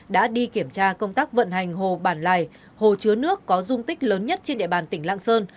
đã đi kiểm tra công tác vận hành hồ bản lài hồ chứa nước có dung tích lớn nhất trên địa bàn tỉnh lạng sơn